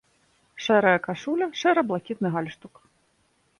Шэрая кашуля, шэра-блакітны гальштук.